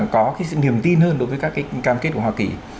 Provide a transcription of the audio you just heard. có cái niềm tin hơn đối với các cái cam kết của hoa kỳ